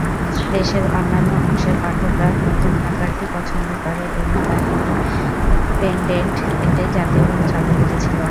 দেশের অন্যান্য অংশের পাঠকরা নতুন আকারটি পছন্দ করে এবং "দ্য ইন্ডিপেন্ডেন্ট" এটি জাতীয়ভাবে চালু করেছিল।